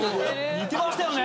似てましたよね。